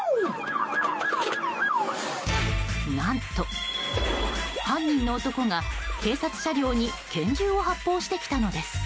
何と、犯人の男が警察車両に拳銃を発砲してきたのです。